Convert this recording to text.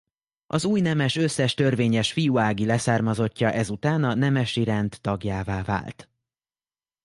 Az új nemes összes törvényes fiú ági leszármazottja ezután a nemesi rend tagjává vált.